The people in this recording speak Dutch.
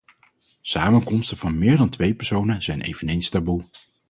Samenkomsten van meer dan twee personen zijn eveneens taboe.